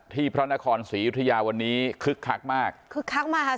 พระนครศรีอยุธยาวันนี้คึกคักมากคึกคักมากค่ะ